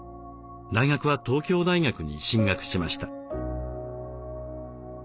大学は東京大学に進学しました。